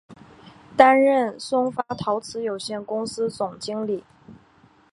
担任松发陶瓷有限公司总经理。